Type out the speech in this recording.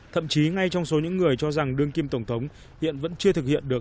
thậm chí ngay trong số những người cho rằng đương kim tổng thống hiện vẫn chưa thực hiện được